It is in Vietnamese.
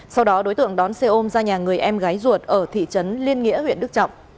sau đó đối tượng đón xe ôm ra nhà người em gái ruột ở thị trấn liên nghịa